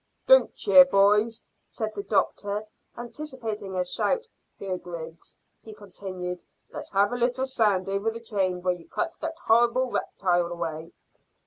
"Don't cheer, boys," said the doctor, anticipating a shout. "Here, Griggs," he continued, "let's have a little sand over the chain where you cut that horrible reptile away."